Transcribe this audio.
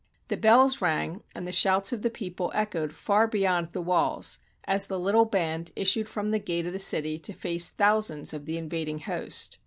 The bells rang, and the shouts of the people echoed far beyond the walls, as the little band issued from the gate of the city to face thousands of the invading host.